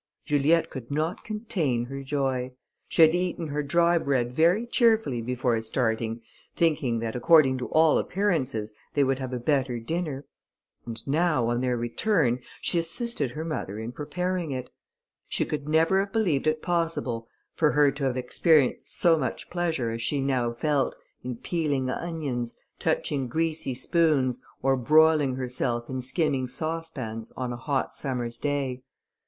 Juliette could not contain her joy. She had eaten her dry bread very cheerfully before starting, thinking that, according to all appearances, they would have a better dinner; and now on their return, she assisted her mother in preparing it; she could never have believed it possible for her to have experienced so much pleasure as she now felt, in peeling onions, touching greasy spoons, or broiling herself in skimming saucepans, on a hot summer's day.